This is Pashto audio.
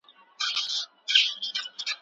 تیاره یوازې یو لنډمهاله ازموینه وه.